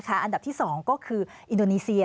อันดับที่๒ก็คืออินโดนีเซีย